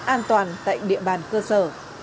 an toàn tại địa bàn cơ sở